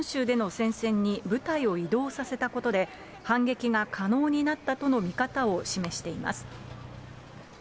ロシア軍が南部ヘルソン州での戦線に部隊を移動させたことで、反撃が可能になったとの見方を示しています。